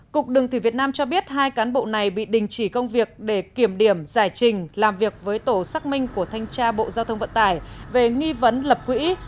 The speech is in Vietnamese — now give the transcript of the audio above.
cục đường thủy việt nam cho biết hai cán bộ này bị đình chỉ công việc để kiểm điểm giải trình làm việc với tổ xác minh của thanh tra bộ giao thông vận tải về nghi vấn lập quỹ